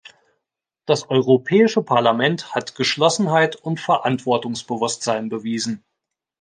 Das Europäische Parlament hat Geschlossenheit und Verantwortungsbewusstsein bewiesen.